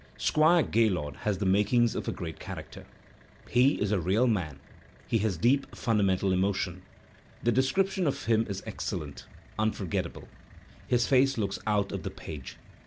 Squire Gaylord has the makings of a great character. He is a real man, he has a deep fundamental emotion. The description of him is excellent, unforgettable; his face looks out of the page.